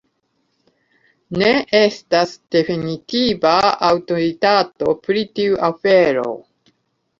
Ne estas definitiva aŭtoritato pri tiu afero.